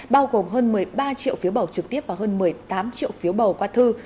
bao gồm hơn một mươi ba triệu phiếu bầu trực tiếp và hơn một mươi tám triệu phiếu bầu qua thư